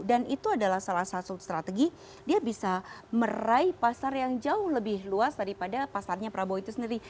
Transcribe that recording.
dan itu adalah salah satu strategi dia bisa meraih pasar yang jauh lebih luas daripada pasarnya prabowo itu sendiri